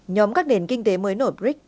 nhóm các nền kinh tế mới nổi brics